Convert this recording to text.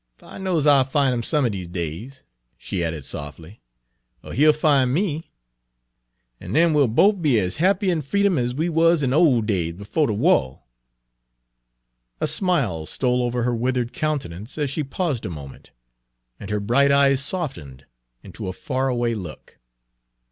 Fer I knows I'll fin' 'im some er dese days," she added softly, "er he'll fin' me, an' den we'll bofe be as happy in freedom as we wuz in de ole days befo' de wah." A smile stole over her withered countenance as she paused a moment, and her bright eyes softened into a faraway look.